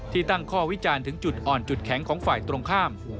ตั้งข้อวิจารณ์ถึงจุดอ่อนจุดแข็งของฝ่ายตรงข้าม